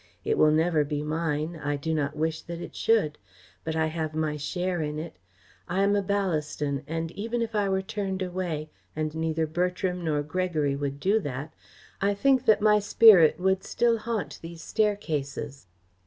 It will never be mine I do not wish that it should, but I have my share in it. I am a Ballaston and even if I were turned away and neither Bertram nor Gregory would do that I think that my spirit would still haunt these staircases."